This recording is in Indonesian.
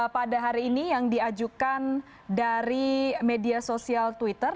pada hari ini yang diajukan dari media sosial twitter